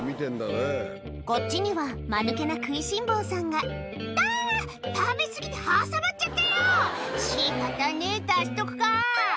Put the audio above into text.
こっちにはまぬけな食いしん坊さんが「あぁ食べ過ぎて挟まっちゃったよ」「仕方ねえ出しとくか」